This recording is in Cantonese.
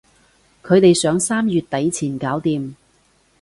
佢哋想三月底前搞掂